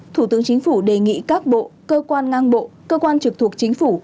thủ tướng chính phủ đề nghị các bộ cơ quan ngang bộ cơ quan trực thuộc chính phủ